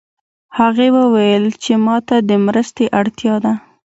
هغې وویل چې ما ته د مرستې اړتیا ده